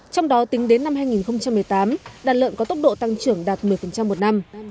trong đó tính đến năm hai nghìn một mươi tám đàn lợn có tốc độ tăng trưởng đạt một mươi một năm